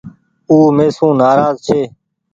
او مي سون نآراز ڇي۔